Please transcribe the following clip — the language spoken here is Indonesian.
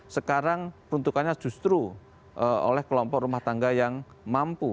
sekarang peruntukannya justru oleh kelompok rumah tangga yang mampu